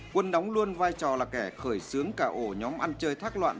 quân đóng luôn vai trò là kẻ khởi sướng cả ổ nhóm ăn chơi thác loạn